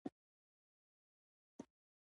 بیا رغونې جدي اقدامات وانخېستل.